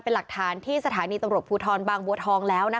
เป็นหลักฐานที่สถานีตำรวจภูทรบางบัวทองแล้วนะคะ